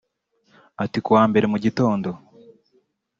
Ati "Ku wa mbere mu gitondo